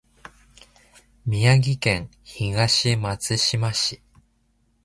宮城県東松島市